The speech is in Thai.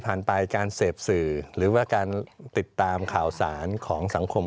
ไปการเสพสื่อหรือว่าการติดตามข่าวสารของสังคม